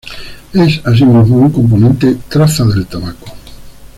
Es asimismo un componente traza del tabaco.